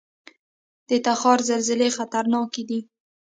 د تخار زلزلې خطرناکې دي